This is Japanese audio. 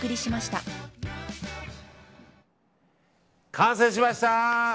完成しました！